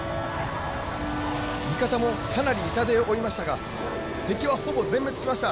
味方もかなり痛手を負いましたが敵はほぼ全滅しました。